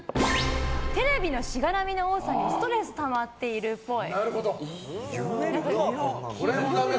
テレビのしがらみの多さにストレスたまっているっぽい。